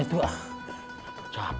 ya tuhan ya tuhan